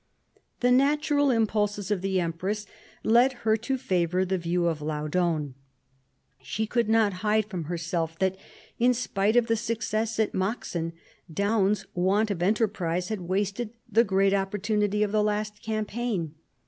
The natural impulses of the empress led her to favour the view of Laudon. She could not hide from herself that, in spite of the success at Maxen, Daun's want of enterprise had wasted the great opportunity of the last campaign.